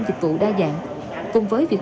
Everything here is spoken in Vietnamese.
dịch vụ đa dạng cùng với việc